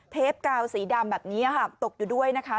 เทปกาวสีดำแบบนี้ตกอยู่ด้วยนะคะ